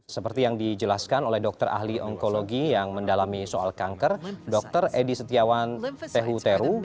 seperti yang dijelaskan oleh dokter ahli onkologi yang mendalami soal kanker dr edi setiawan tehuteru